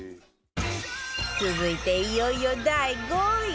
続いていよいよ第５位